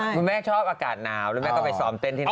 คุณแม่ชอบอากาศนาวคุณแม่ก็ไปซ้อมเต้นที่นั่น